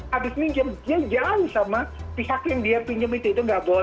habis pinjam dia jauh sama pihak yang dia pinjam itu itu nggak boleh